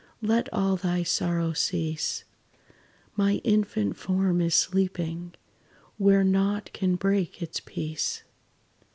Let all thy sorrow cease: My infant form is sleeping, Where nought can break its peace.